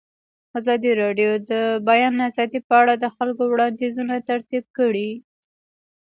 ازادي راډیو د د بیان آزادي په اړه د خلکو وړاندیزونه ترتیب کړي.